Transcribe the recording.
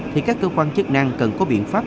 thì các cơ quan chức năng cần có biện pháp